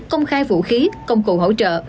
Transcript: công khai vũ khí công cụ hỗ trợ